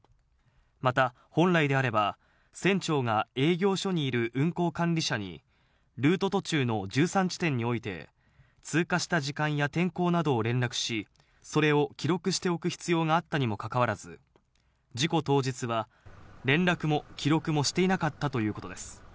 また、本来であれば、船長が営業所にいる運航管理者に、ルート途中の１３地点において、通過した時間や天候などを連絡し、それを記録しておく必要があったにもかかわらず、事故当日は、連絡も記録もしていなかったということです。